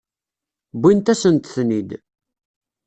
Wwint-asent-ten-id.